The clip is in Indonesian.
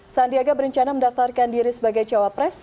sandiaga berencana mendaftarkan diri sebagai cawapres